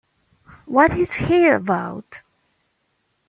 What is he about?